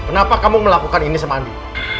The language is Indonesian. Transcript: kenapa kamu melakukan ini sama andi